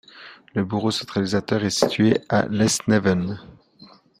Le bureau centralisateur est situé à Lesneven.